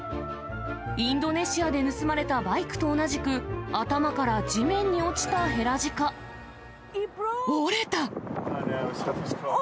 インドネシアで盗まれたバイクと同じく、頭から地面に落ちたヘラ折れた！